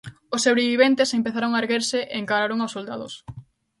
Os sobreviventes empezaron a erguerse e encararon aos soldados.